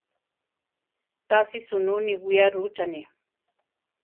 Tási sunú niwía rucháni.